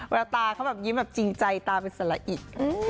เวลาตาเขาแบบยิ้มจริงใจตาเป็นสละอิก